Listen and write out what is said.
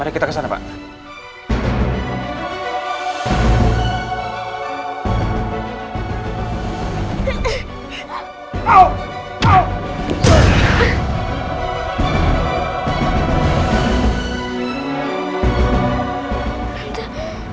pak tata servantating friend